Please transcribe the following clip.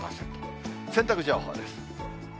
洗濯情報です。